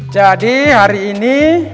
jadi hari ini